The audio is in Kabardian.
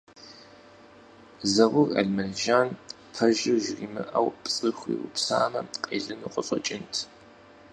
Зэур Алмэжан пэжыр жримыӏэу пцӏы хуиупсамэ, къелыну къыщӏэкӏынт.